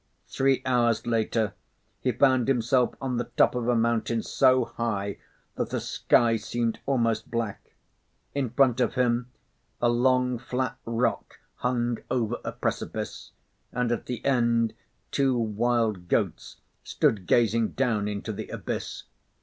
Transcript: Three hours later he found himself on the top of a mountain so high that the sky seemed almost black. In front of him, a long, flat rock hung over a precipice, and at the end two wild goats stood gazing down into the abyss.